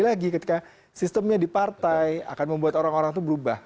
lagi ketika sistemnya di partai akan membuat orang orang itu berubah